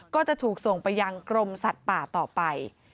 ก็จะถูกส่งไปยังกรมสัตว์ป่าต่อไป